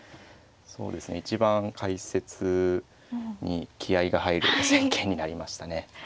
そうですね一番解説に気合いが入る戦型になりましたねはい。